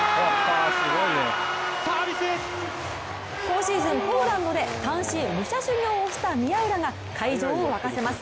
今シーズン、ポーランドで単身武者修行をした宮浦が会場を沸かせます。